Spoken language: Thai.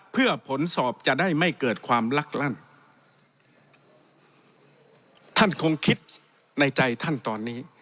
เพื่อผลสอบจะได้ไม่เกิดความลักลั่นท่านคงคิดในใจท่านตอนนี้